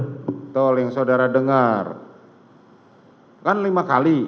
betul yang saudara dengar kan lima kali